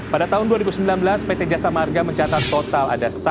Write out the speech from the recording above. pada tahun dua ribu sembilan belas pt jasa marga mencatat total ada satu